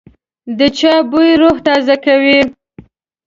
د چای بوی روح تازه کوي.